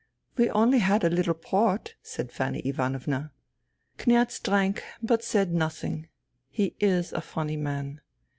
" We only had a little port," said Fanny Ivanovna. " Kniaz drank but said nothing. He is a funny man.